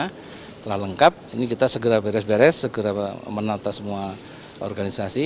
karena telah lengkap ini kita segera beres beres segera menata semua organisasi